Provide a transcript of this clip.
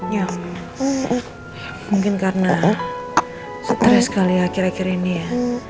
ya mungkin karena stress kali akhir akhir ini ya